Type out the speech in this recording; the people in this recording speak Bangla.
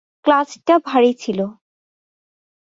ক্লাচটা ভারি ছিল।